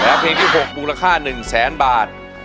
แล้วเพลงที่๖ดูราคาหนึ่งแสนบาท